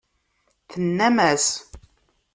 Tennam-as.